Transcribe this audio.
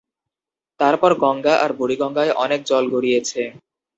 তারপর গঙ্গা আর বুড়িগঙ্গায় অনেক জল গড়িয়েছে।